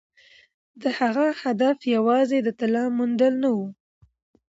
د هغه هدف یوازې د طلا موندل نه وو.